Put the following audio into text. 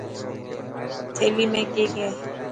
ٿيلي ۾ ڪيڪ هي.